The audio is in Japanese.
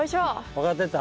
分かってきた？